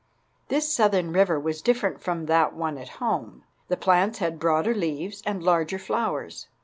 This southern river was different from that one at home. The plants had broader leaves and larger flowers.